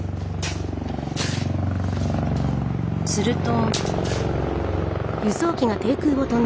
すると。